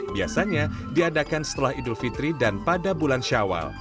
biasanya diadakan setelah idul fitri dan pada bulan syawal